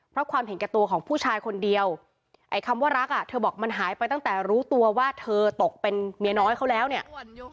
เพราะความเห็นแก่ตัวของผู้ชายคนเดียวไอ้คำว่ารักอ่ะเธอบอกมันหายไปตั้งแต่รู้ตัวว่าเธอตกเป็นเมียน้อยเขาแล้วเนี่ย